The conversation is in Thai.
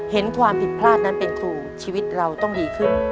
เห็นความผิดพลาดนั้นเป็นครูชีวิตเราต้องดีขึ้น